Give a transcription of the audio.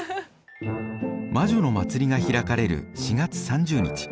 魔女の祭りが開かれる４月３０日